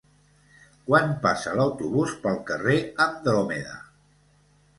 Quan passa l'autobús pel carrer Andròmeda?